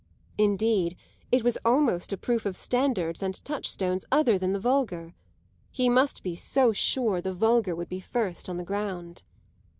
Indeed it was almost a proof of standards and touchstones other than the vulgar: he must be so sure the vulgar would be first on the ground.